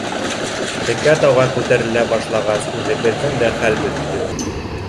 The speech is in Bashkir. Текә тауға күтәрелә башлағас, үҙебеҙҙең дә хәл бөттө.